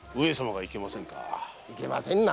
いけませんな。